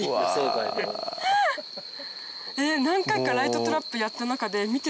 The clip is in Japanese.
何回かライトトラップやった中で見てない？